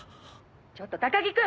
ちょっと高木君！